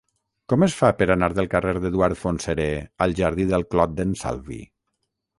Com es fa per anar del carrer d'Eduard Fontserè al jardí del Clot d'en Salvi?